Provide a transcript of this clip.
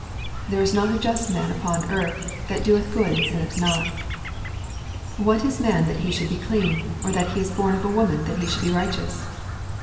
—" There is not a just man upon earth, that doeth good and sinneth not." —" What is man that he should be clean, or he that is bom of a woman that he should be righteous